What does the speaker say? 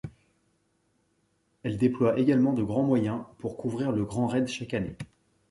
Elle déploie également de grands moyens pour couvrir le Grand Raid chaque année.